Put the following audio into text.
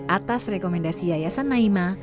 atas rekomendasi yayasan naima